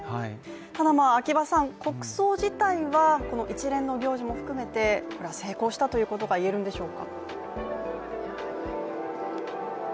ただ、国葬自体は一連の行事も含めて成功したということが言えるんでしょうか？